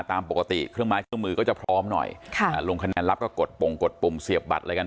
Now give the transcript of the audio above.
ตามปกติเครื่องไม้เครื่องมือก็จะพร้อมหน่อยค่ะลงคะแนนรับก็กดปงกดปุ่มเสียบบัตรอะไรกัน